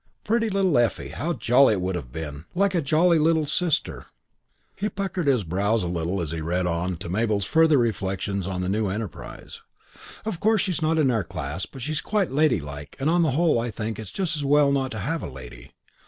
Pretty little Effie! How jolly it would have been! Like a jolly little sister." He puckered his brows a little as he read on to Mabel's further reflections on the new enterprise: "Of course she's not our class but she's quite ladylike and on the whole I think it just as well not to have a lady.